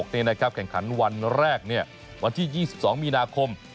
เนี่ยนะครับแข่งขันวันแรกเนี่ยวันที่๒๒มีนาคม